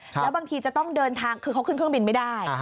แล้วบางทีจะต้องเดินทางคือเขาขึ้นเครื่องบินไม่ได้